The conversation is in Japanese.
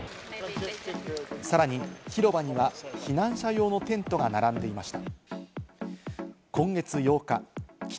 さらに広場には避難者用のテントが並んでいました。